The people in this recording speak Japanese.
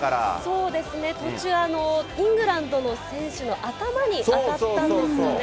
そうですね、途中、イングランドの選手の頭に当たったんですよね。